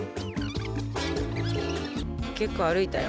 結構歩いたよ。